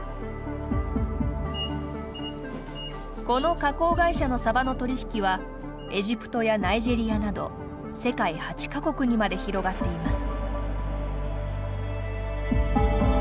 この加工会社のサバの取り引きはエジプトやナイジェリアなど世界８か国にまで広がっています。